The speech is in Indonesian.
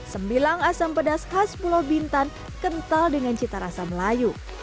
sembilan asam pedas khas pulau bintan kental dengan cita rasa melayu